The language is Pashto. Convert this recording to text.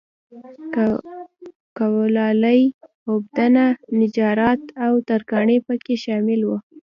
کولالي، اوبدنه، نجاري او ترکاڼي په کې شامل و.